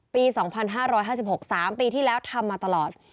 ปี๒๕๕๖๓ปีที่แล้วทำมาตลอด